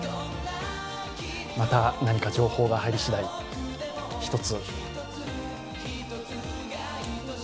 また何か情報が入りしだい、一つ。